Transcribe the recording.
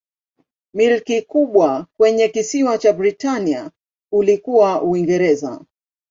Milki kubwa kwenye kisiwa cha Britania ilikuwa Uingereza.